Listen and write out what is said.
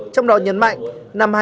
trong đó nhấn mạnh